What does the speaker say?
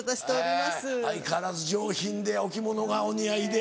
相変わらず上品でお着物がお似合いで。